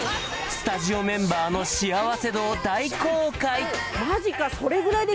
スタジオメンバーの幸せ度を大公開！